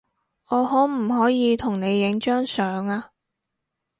我可唔可以同你影張相呀